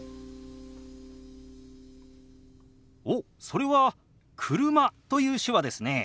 おっそれは「車」という手話ですね。